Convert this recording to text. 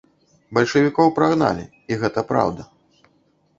Бальшавікоў прагналі, і гэта праўда.